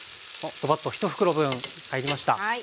ドバッと１袋分入りました。